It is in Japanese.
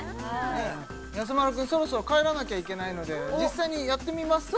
やさ丸くんそろそろ帰らなきゃいけないので実際にやってみますか？